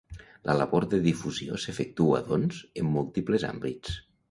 La labor de difusió s'efectua, doncs, en múltiples àmbits.